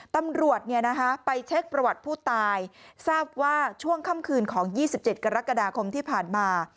ตำรวจไปเช็คประวัติผู้ตายทราบว่าช่วงค่ำคืนของ๒๗กรกฎาคมที่ผ่านมา